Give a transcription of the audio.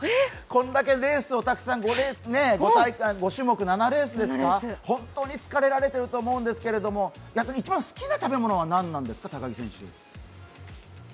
こんだけレースをたくさん５種目７レースですか、本当に疲れられてると思うんですけど、一番好きな食べ物は何ですか？